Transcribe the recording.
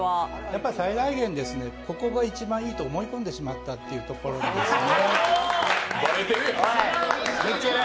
最大限、ここが一番いいと思い込んでしまったのがありますね。